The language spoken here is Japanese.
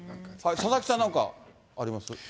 佐々木さん、なんかあります？